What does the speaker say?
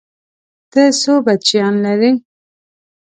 ته څو بچيان لرې؟